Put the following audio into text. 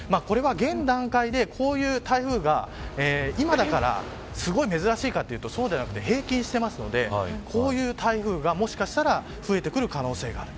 これは現段階で、こういう台風が今だから、すごい珍しいかというと、そうではなくて平均していますのでこういう台風が、もしかしたら増えてくる可能性がある。